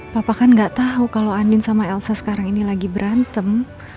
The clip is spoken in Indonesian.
papa kan nggak tahu kalau andin sama elsa sekarang ini lagi berantem